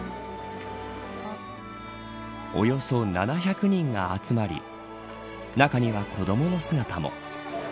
およそ７００人が集まり中には子どもの姿も。